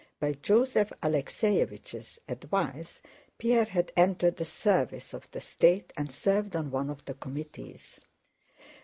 (By Joseph Alexéevich's advice Pierre had entered the service of the state and served on one of the committees.)